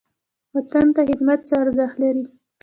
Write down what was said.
وطن ته خدمت څه ارزښت لري؟